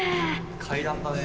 階段だね。